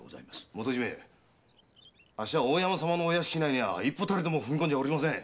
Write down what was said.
元締あっしは大山様のお屋敷内に一歩たりとも踏み込んでいません。